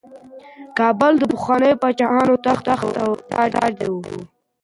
کابل د پخوانیو پاچاهانو د تخت او تاج ځای و.